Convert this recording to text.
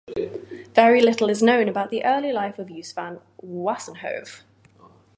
Very little is known about the early life of Joos van Wassenhove.